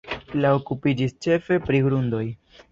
Li okupiĝis ĉefe pri grundoj.